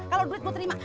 kalau duit gue terima